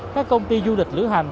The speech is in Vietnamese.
các công ty du lịch lữ hành